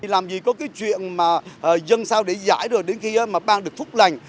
làm gì có cái chuyện mà dân sao để giải rồi đến khi mà ban được phúc lành